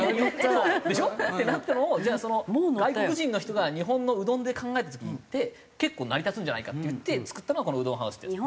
ってなってもじゃあその外国人の人が日本のうどんで考えた時って結構成り立つんじゃないかっていって作ったのがこのうどんハウスってやつ。